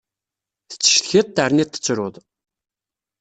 Tattcetkiḍ terniḍ tettruḍ.